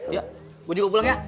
iya gue juga pulang ya